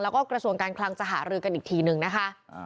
แล้วก็กระทรวงการคลังจะหารือกันอีกทีนึงนะคะ